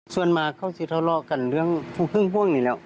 ส่วนมากเขาจะทะเลาะกันเรื่องพวกนี้แล้ว